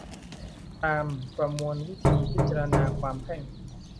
ตาม ประมวลวิธีพิจารณาความแพ่ง